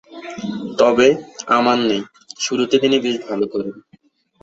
তবে, আমার নেই।’ শুরুতে তিনি বেশ ভালো করেন।